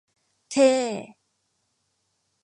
เท่